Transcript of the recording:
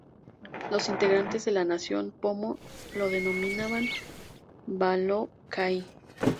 Los integrantes de la nación Pomo lo denominaban "Ba-lo Kai".